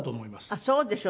あっそうでしょ？